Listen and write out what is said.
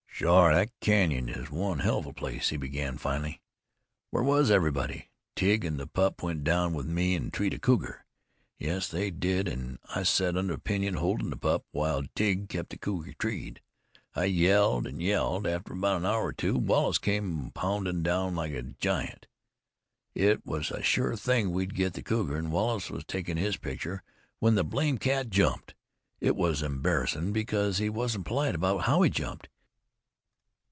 "Shore thet canyon is one hell of a place," he began finally. "Where was everybody? Tige and the pup went down with me an' treed a cougar. Yes, they did, an' I set under a pinyon holdin' the pup, while Tige kept the cougar treed. I yelled an' yelled. After about an hour or two, Wallace came poundin' down like a giant. It was a sure thing we'd get the cougar; an' Wallace was takin' his picture when the blamed cat jumped. It was embarrassin', because he wasn't polite about how he jumped.